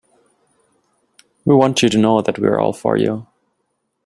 We want you to know that we're all for you.